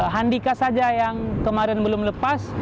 handika saja yang kemarin belum lepas